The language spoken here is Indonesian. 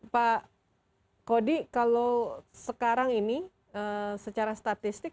pak kodi kalau sekarang ini secara statistik